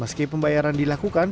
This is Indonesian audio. meski pembayaran dilakukan